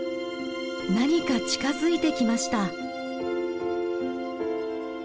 何か近づいてきました。